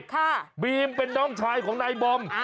บีมเป็นน้องชายของนายบอม